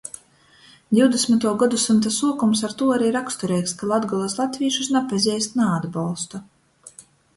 Divdasmytuo godu symta suokums ar tū ari rakstureigs, ka Latgolys latvīšus napazeist, naatbolsta.